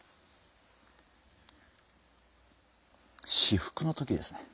至福の時ですね。